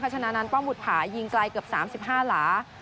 ชนะนั้นป้อมบุตรภายิงไกลเกือบ๓๕หลา